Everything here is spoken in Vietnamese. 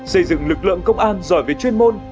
xây dựng lực lượng công an giỏi về chuyên môn